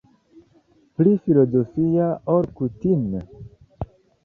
Pli filozofia ol kutime?